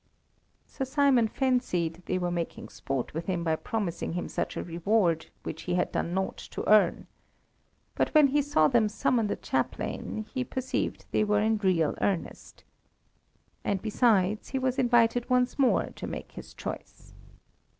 Sir Simon fancied they were making sport with him by promising him such a reward, which he had done nought to earn. But when he saw them summon the chaplain, he perceived they were in real earnest. And, besides, he was invited once more to make his choice.